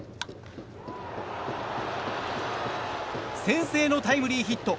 先制のタイムリーヒット。